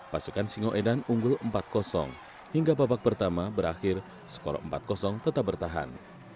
pasukan singoedan unggul empat hingga babak pertama berakhir skor empat tetap bertahan